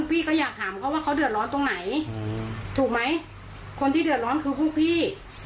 พี่ก็อยากถามเขาว่าเขาเดือดร้อนตรงไหนถูกไหมคนที่เดือดร้อนคือพวกพี่